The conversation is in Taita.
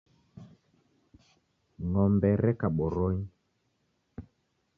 Ng'ombe reka boronyi.